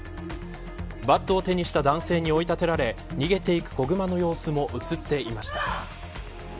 バットを手にした男性に追い立てられ逃げていく子グマの様子も映っていました。